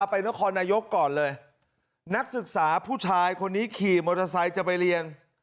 ไปนครนายกก่อนเลยนักศึกษาผู้ชายคนนี้ขี่มอเตอร์ไซค์จะไปเรียน